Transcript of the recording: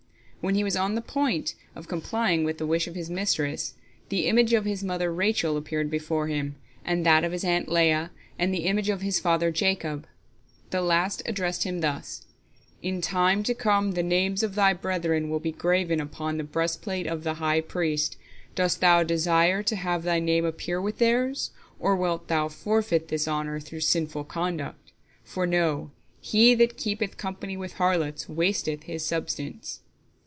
When he was on the point of complying with the wish of his mistress, the image of his mother Rachel appeared before him, and that of his aunt Leah, and the image of his father Jacob. The last addressed him thus: "In time to come the names of thy brethren will be graven upon the breastplate of the high priest. Dost thou desire to have thy name appear with theirs? Or wilt thou forfeit this honor through sinful conduct? For know, he that keepeth company with harlots wasteth his substance."